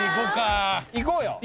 いこうよ。